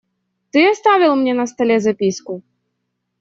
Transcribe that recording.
Ты оставил мне на столе записку?